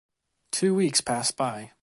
Two weeks passed by.